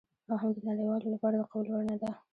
او هم د نړیوالو لپاره د قبول وړ نه ده.